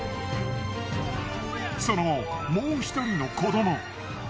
その後もう１人の子ども。